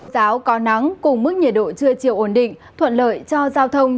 giáo có nắng cùng mức nhiệt độ chưa chịu ổn định thuận lợi cho giao thông